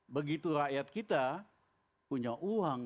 begitu rakyat kita punya uang